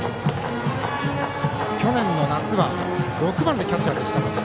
去年の夏は６番キャッチャーでした。